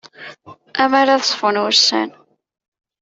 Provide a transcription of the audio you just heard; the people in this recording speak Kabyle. Amer ad ṣfun wussan.